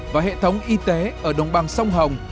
và hệ thống y tế ở đồng bằng sông hồng